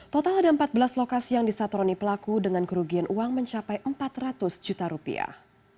total ada empat belas lokasi yang disatroni pelaku dengan kerugian uang mencapai empat ratus juta rupiah